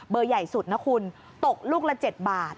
ใหญ่สุดนะคุณตกลูกละ๗บาท